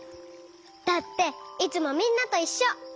だっていつもみんなといっしょ！